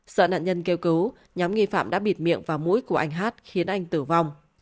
sợ nạn nhân kêu cứu nhóm nghi phạm đã bịt miệng và mũi của anh hát khiến anh tử vong